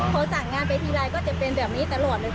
พอสั่งงานไปทีไรก็จะเป็นแบบนี้ตลอดเลยค่ะ